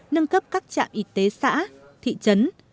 nâng cấp các trạm y tế xã thị trấn